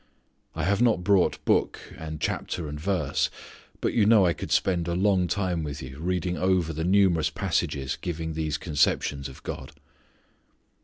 I have not brought book, and chapter, and verse. But you know I could spend a long time with you reading over the numerous passages giving these conceptions of God.